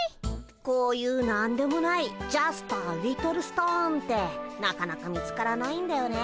こういう何でもないジャストアリトルストーンってなかなか見つからないんだよね。